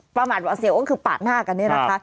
ประมาทหวาเสียวก็คือปาดหน้ากันเนี่ยนะคะ